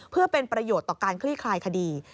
เพื่อเป็นประโยชน์ต่อการคลี่คลายคดี